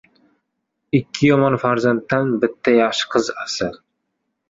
• Ikki yomon farzanddan bitta yaxshi qiz afzal.